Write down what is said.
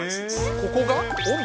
ここが？